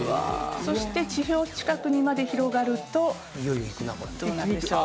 そして地表近くにまで広がるとどうなるでしょう？